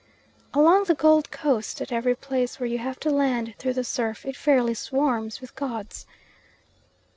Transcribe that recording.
Along the Gold Coast, at every place where you have to land through the surf, it fairly swarms with gods.